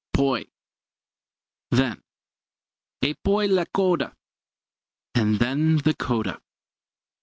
Poi then. E poi la coda and then the coda.